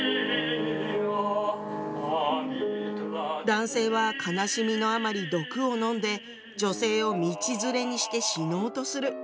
男性は悲しみのあまり毒を飲んで女性を道連れにして死のうとする。